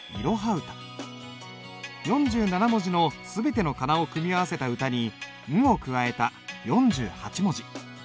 ４７文字の全ての仮名を組み合わせた歌に「ん」を加えた４８文字。